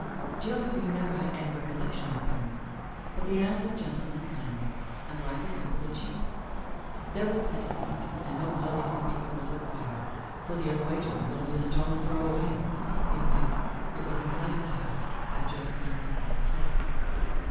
Josephine never had any recollection of her parents. But the aunt was gentle and kindly, and life was simple and cheap. There was plenty to eat, and no clothing to speak of was required, for the Equator was only a stone's throw away; in fact, it was in sight of the house, as Josephine herself has said.